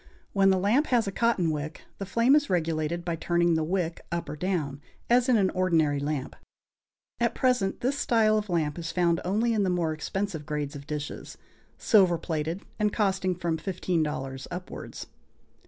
When the lamp has a cotton wick, the flame is regulated by turning the wick up or down, as in an ordinary lamp. At present this style of lamp is found only in the more expensive grades of dishes, silver plated, and costing from $15 upwards.